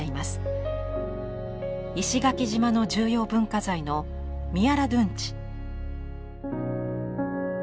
石垣島の重要文化財の宮良殿内。